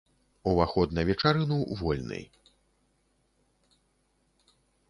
Уваход на вечарыну вольны!